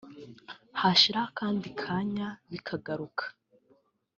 hashira akandi kanya bikagaruka